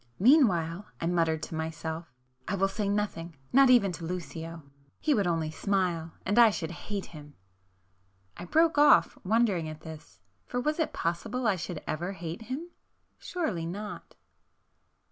"Meanwhile"—I muttered to myself—"I will say nothing, ... not even to Lucio. He would only smile, ... and I should hate him! ..." I broke off, wondering at this. For was it possible I should ever hate him? Surely not!